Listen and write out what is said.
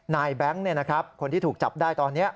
นายแบงค์เนี่ยนะครับคนที่ถูกจับได้ตอนนี้